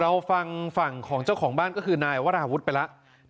เราฟังฝั่งของเจ้าของบ้านก็คือนายวราวุฒิไปแล้ว